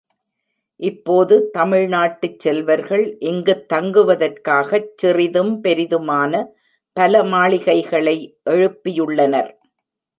இப்போது தமிழ்நாட்டுச் செல்வர்கள் இங்குத் தங்குவதற்காகச் சிறிதும் பெரிதுமான பலமாளிகைகளை எழுப்பியுள்ளனர்.